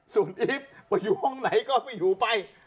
ส่วนอีฟไปอยู่ห้องไหนก็ไม่อยู่ไป